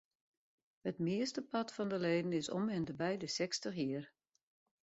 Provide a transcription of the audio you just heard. It meastepart fan de leden is om ende by de sechstich jier.